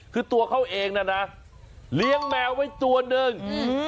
คือตัวเขาเองนะนะเลี้ยงแมวไว้ตัวหนึ่ง